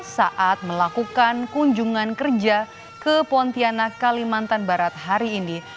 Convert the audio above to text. saat melakukan kunjungan kerja ke pontianak kalimantan barat hari ini